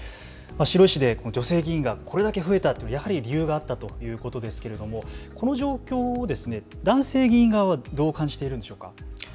白井市で女性議員がこれだけ増えたのはやはり理由があったということですけれどもこの状況を男性議員側はどう感じているんでしょうか。